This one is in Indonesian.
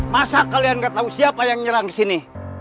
masa kalian nggak tahu siapa yang nyerang sini